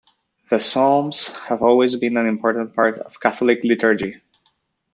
The Psalms have always been an important part of Catholic liturgy.